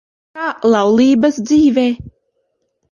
Kā laulības dzīve?